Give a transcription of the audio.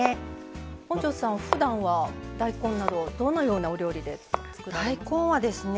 本上さんは、ふだんは大根などどのようなお料理で作られてますか？